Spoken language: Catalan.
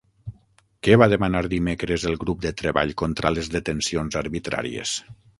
Què va demanar dimecres el Grup de Treball contra les Detencions Arbitràries?